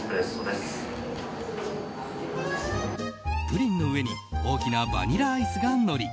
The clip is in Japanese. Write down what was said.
プリンの上に大きなバニラアイスがのり